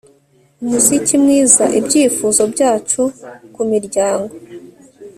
Umuziki mwiza Ibyifuzo byacu kumiryango